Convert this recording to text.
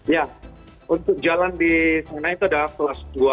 ya untuk jalan di sana itu ada kelas dua